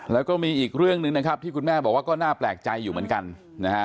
แล้วก็มีอีกเรื่องหนึ่งนะครับที่คุณแม่บอกว่าก็น่าแปลกใจอยู่เหมือนกันนะฮะ